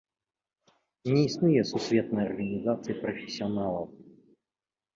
Не існуе сусветнай арганізацыі прафесіяналаў.